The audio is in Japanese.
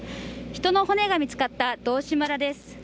人の骨が見つかった道志村です。